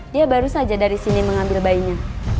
dia baru saja dari sini mengambil bayinya